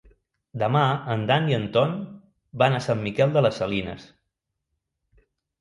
Demà en Dan i en Ton van a Sant Miquel de les Salines.